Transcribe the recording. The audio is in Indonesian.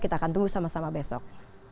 kita akan tunggu sama sama besok